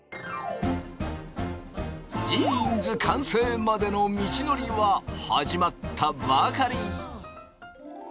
ジーンズ完成までの道のりは始まったばかり。